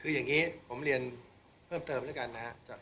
คืออย่างนี้ผมเรียนเพิ่มเติมแล้วกันนะครับ